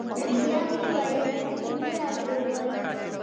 بیا مې ویل هسې نه راته ووایي.